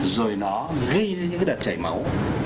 rồi nó gây lên những cái đợt chảy máu